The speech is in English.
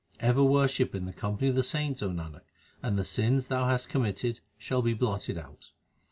Ever worship in the company of the saints, O Nanak, and the sins thou hast committed shall be blotted out.